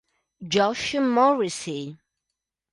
Josh Morrissey